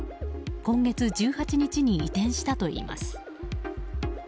今月１８日に移転したといいます。